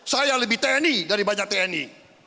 saya lebih tni dari banyak tni